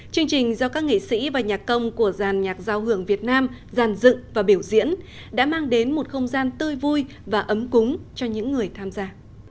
chương trình do các nghệ sĩ và nhạc công của giàn nhạc giao hưởng việt nam giàn dựng và biểu diễn đã mang đến một không gian tươi vui và ấm cúng cho những người tham gia